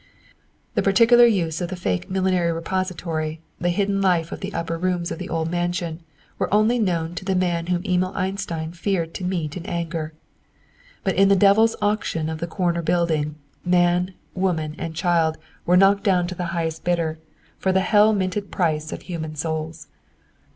The particular use of the "fake" millinery repository, the hidden life of the upper floors of the old mansion, were only known to the man whom Emil Einstein feared to meet in anger. But in the Devil's auction of the corner building, man, woman and child were knocked down to the highest bidder, for the hell minted price of human souls.